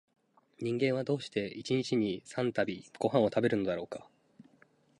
人間は、どうして一日に三度々々ごはんを食べるのだろう